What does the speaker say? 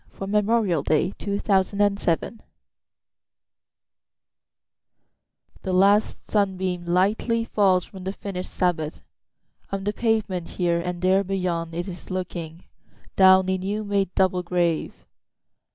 Dirge for Two Veterans 1THE LAST sunbeamLightly falls from the finish'd Sabbath, On the pavement here—and there beyond, it is looking, Down a new made double grave.